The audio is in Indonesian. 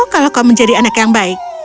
kalau kau menjadi anak yang baik